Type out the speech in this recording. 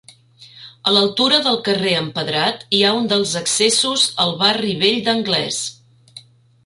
A l'altura del carrer Empedrat hi ha un dels accessos al barri vell d'Anglès.